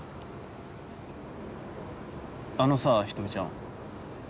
あのさ人見ちゃん